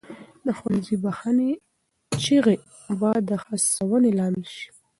د ښوونځي بخښنې چیغې به د هڅونې لامل سي.